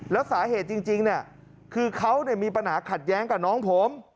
แล้วสาเหตุจริงคือเขามีปัญหาขัดแย้งกับน้องผม